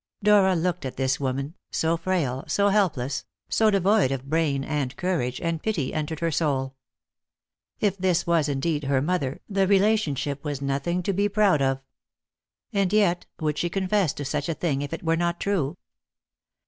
Dora looked at this woman, so frail, so helpless, so devoid of brain and courage, and pity entered her soul. If this was indeed her mother, the relationship was nothing to be proud of. And yet, would she confess to such a thing if it were not true?